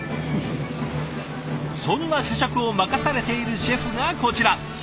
そんな社食を任されているシェフがこちら。